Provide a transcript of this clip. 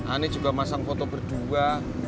anies juga masang foto berdua